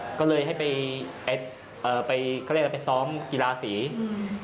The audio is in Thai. ก็เลยให้ไปไปเอ่อไปเขาเรียกว่าไปซ้อมกีฬาสีอืม